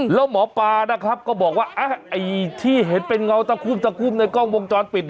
แล้วหมอปลานะครับก็บอกว่าที่เห็นเป็นเงาตะคุ่มตะคุ่มในกล้องวงจรปิด